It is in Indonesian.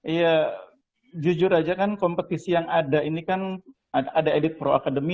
iya jujur aja kan kompetisi yang ada ini kan ada edit pro academy